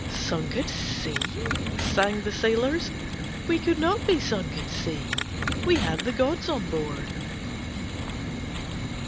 "Sunk at sea?" sang the sailors. "We could not be sunk at sea we had the gods on board."